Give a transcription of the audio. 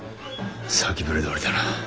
先触れどおりだな。